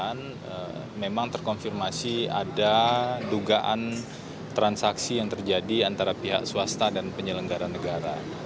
dan memang terkonfirmasi ada dugaan transaksi yang terjadi antara pihak swasta dan penyelenggara negara